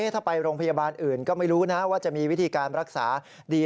ถ้าไปโรงพยาบาลอื่นก็ไม่รู้นะว่าจะมีวิธีการรักษาดี